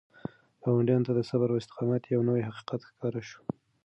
ګاونډیانو ته د صبر او استقامت یو نوی حقیقت ښکاره شو.